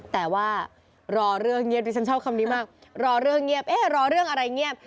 แต่ว่ารอเรื่องเงียบดิฉันชอบคำนี้มากรอเรื่องเงียบเอ๊ะรอเรื่องอะไรเงียบ